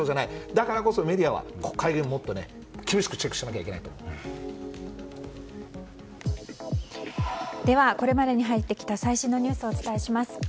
だからこそ、メディアは国会をもっと厳しくこれまでに入ってきた最新のニュースをお伝えします。